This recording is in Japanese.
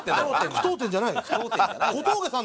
句読点じゃないよ